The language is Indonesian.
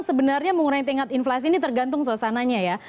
sebenarnya mengurangi tingkat inflasi ini tergantung suasananya ya